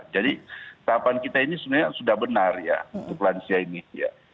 jadi tahapan kita ini sebenarnya sudah benar ya untuk lansia ini ya